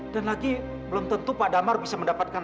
dan lagi belum tentu pak damar bisa mendapatkan